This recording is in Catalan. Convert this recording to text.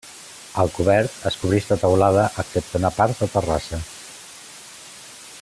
El cobert es cobrix de teulada excepte una part de terrassa.